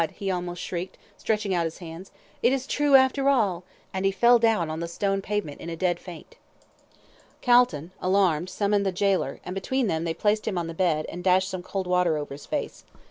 he almost shrieked, stretching out his hands, "it is true after all," and he fell down on the stone pavement in a dead faint. Calton, alarmed, summoned the gaoler, and between them they placed him on the bed, and dashed some cold water over his face.